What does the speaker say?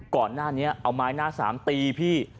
ก่อนหน้านี้เอาไม้หน้าสามตีพี่